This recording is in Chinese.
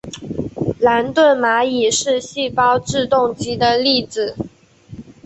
兰顿蚂蚁是细胞自动机的例子。